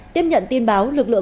tiếp nhận tin báo